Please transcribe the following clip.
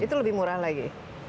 itu lebih murah lagi